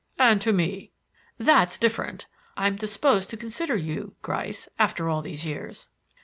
"And to me." "That's different. I'm disposed to consider you, Gryce after all these years."